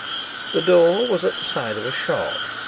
The door was at the side of a shop.